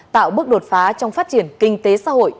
tạo bước đột phá trong phát triển kinh tế xã hội